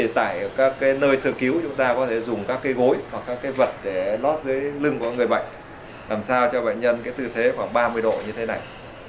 tại các nơi sơ cứu chúng ta có thể dùng các cây gối hoặc các vật để lót dưới lưng của người bệnh làm sao cho bệnh nhân tư thế khoảng ba mươi độ như thế này